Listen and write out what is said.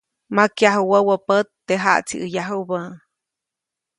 Makyaju wäwä pät, teʼ jaʼtsiʼäyajubä.